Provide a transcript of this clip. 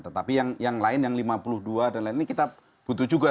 tetapi yang lain yang lima puluh dua dan lain ini kita butuh juga